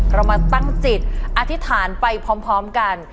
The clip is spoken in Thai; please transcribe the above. เรามาตั้งจิตอธิษฐานไปพร้อมกัน